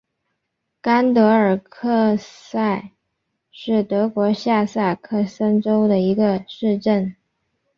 甘德尔克塞是德国下萨克森州的一个市镇。